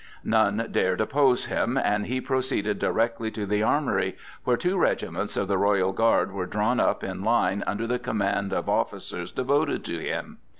None dared oppose him, and he proceeded directly to the armory, where two regiments of the Royal Guard were drawn up in line under the command of officers devoted to him.